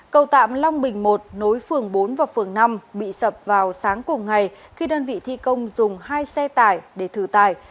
cầu tạm long bình một nối phường bốn và phường năm bị sập vào sáng cùng ngày khi đơn vị thi công dùng hai xe tải để thử tải